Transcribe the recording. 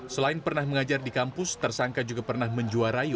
selain pernah mengajar di kampus tersangka juga pernah menjuarai